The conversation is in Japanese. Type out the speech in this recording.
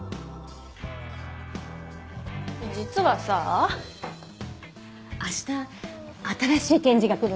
実はさ明日新しい検事が来るの。